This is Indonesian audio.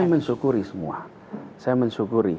saya mensyukuri semua